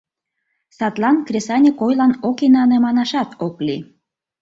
Садлан «кресаньык ойлан ок инане» манашат ок лий.